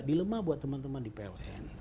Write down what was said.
dilemah buat teman teman di pln